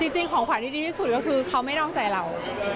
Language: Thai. จริงของขวัญที่ดีที่สุดก็คือเขาไม่นอกใจเรา